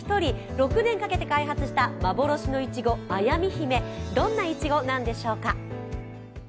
６年かけて開発した幻のいちご綾美姫、どんないちごなんでしょうか。